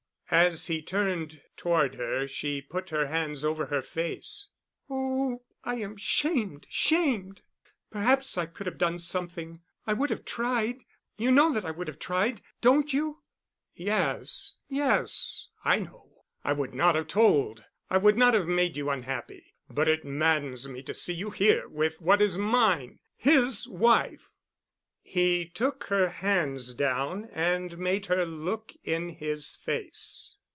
As he turned toward her she put her hands over her face. "Oh, I am shamed—shamed. Perhaps I could have done something; I would have tried. You know that I would have tried—don't you?" "Yes, yes, I know. I would not have told, I would not have made you unhappy—but it maddens me to see you here with what is mine—his wife." He took her hands down and made her look in his face.